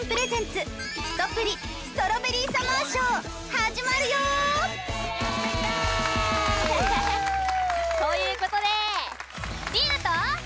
始まるよー！ということで莉犬と。